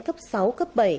cấp sáu cấp bảy